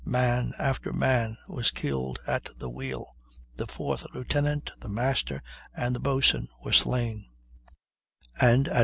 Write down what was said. Man after man was killed at the wheel; the fourth lieutenant, the master, and the boatswain were slain; and at 5.